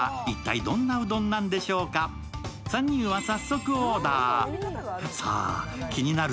３人は早速オーダー。